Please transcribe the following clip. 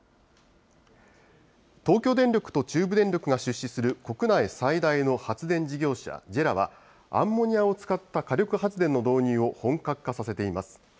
東京電力と中部電力が出資する国内最大の発電事業者、ＪＥＲＡはアンモニアを使った火力発電の導入を本格化させています。